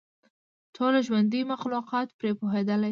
ټول ژوندي مخلوقات پرې پوهېدلای شي.